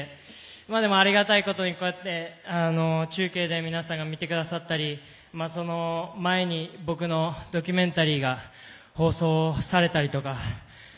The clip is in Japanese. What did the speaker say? でも、ありがたいことにこうやって中継で皆さんが見てくださったりその前に僕のドキュメンタリーが放送されたりとか。